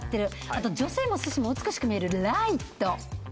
あと女性も寿司も美しく見えるライト